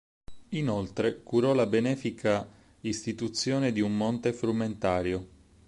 Inoltre curò la benefica istituzione di un monte frumentario.